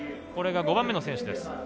これが５番目の選手です。